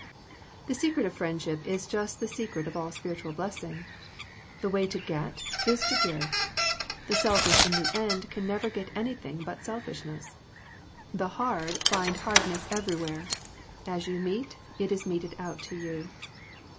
The secret of friendship is just the se cret of all spiritual blessing. The way to get is to give. The selfish in the end can never get anything but selfishness. Tha 41 Digitized by VjOOQIC THE CULTURE OF FRIENDSHIP hard find hardness everywhere. As you mete, it is meted out to you.